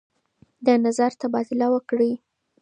د نظر تبادله وکړئ.